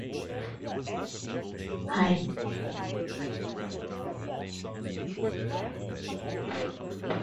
They also have common business interests.